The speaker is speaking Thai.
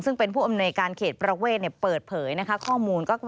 ซึ่งเป็นผู้อำนวยการเขตประเวทเปิดเผยนะคะข้อมูล